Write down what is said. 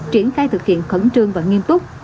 triển khai thực hiện khẩn trương và nghiêm túc